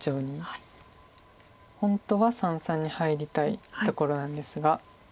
本当は三々に入りたいところなんですが。